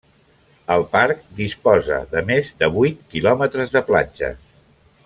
El parc disposa de més de vuit kilòmetres de platges.